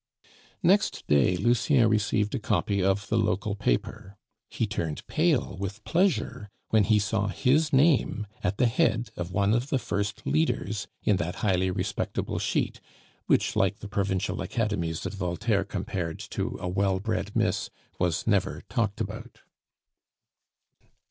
Next day Lucien received a copy of the local paper. He turned pale with pleasure when he saw his name at the head of one of the first "leaders" in that highly respectable sheet, which like the provincial academies that Voltaire compared to a well bred miss, was never talked about.